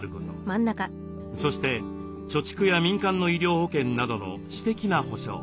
そして貯蓄や民間の医療保険などの私的な保障。